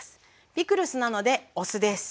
ピクルスなのでお酢ですね。